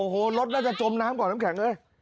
หู้วรถน่าจะจมน้ำกว่าน้ำแข็งเลย